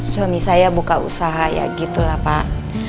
suami saya buka usaha ya gitu lah pak